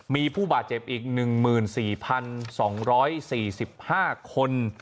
มีผู้บาดเจ็บอีก๑๔๒๔๕คน